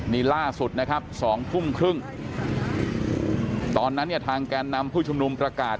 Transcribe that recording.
นี่ล่าสุดนะครับ๒ทุ่มครึ่งตอนนั้นเนี่ยทางแกนนำผู้ชุมนุมประกาศ